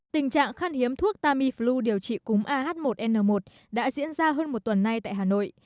tình trạng khan hiếm thuốc tamiflu điều trị cúng ah một n một đã diễn ra hơn một tuần nay tại hà nội